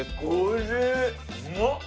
うまっ！